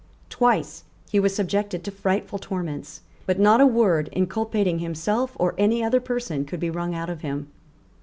Twice he was subjected to frightful torments; but not a word inculpating himself or any other person could be wrung out of him.